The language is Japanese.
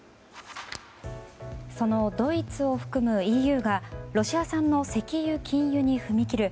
そのドイツを含むＥＵがロシア産の石油禁輸に踏み切る